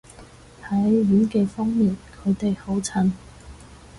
喺演技方面佢哋好襯